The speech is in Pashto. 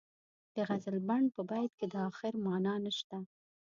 د غزلبڼ په بیت کې د اخر معنا نشته.